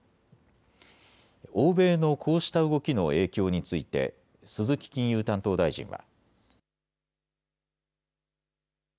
欧米のこうした動きの影響について鈴木金融担当大臣は。